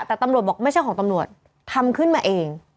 แต่ตำรวจบอกไม่ใช่ของตำรวจทำขึ้นมาเอง